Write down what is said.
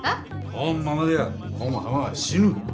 こんままではこん浜は死ぬ。